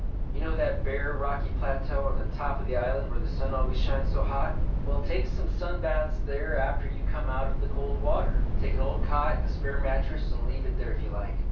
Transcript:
You know that bare rocky plateau on top of the Island where the sun always shines so hot? Well, take some sun baths there after you come out of the cold water. Take an old cot and a spare mattress and leave it there if you like.